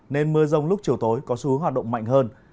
nên mưa rông lúc chiều tối có xu hướng hoạt động mạnh hơn